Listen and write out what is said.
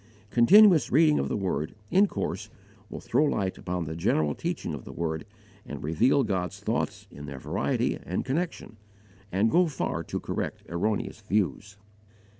Continuous reading of the Word, in course, will throw light upon the general teaching of the Word, and reveal God's thoughts in their variety and connection, and go far to correct erroneous views.